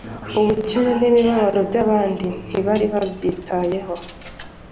ubukene n'imibabaro by'abandi ntibari babyitayeho.